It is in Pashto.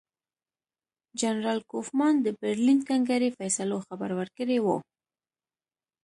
جنرال کوفمان د برلین کنګرې فیصلو خبر ورکړی وو.